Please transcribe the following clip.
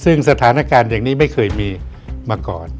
ซึ่งสถานการณ์อย่างนี้ไม่เคยมีมาก่อน